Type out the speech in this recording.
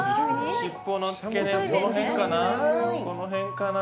尻尾の付け根、この辺かな。